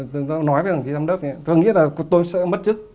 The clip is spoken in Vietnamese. tôi nghĩ là tôi sẽ mất chức